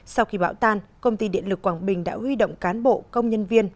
sau khi bão tan công ty điện lực quảng bình đã huy động cán bộ công nhân viên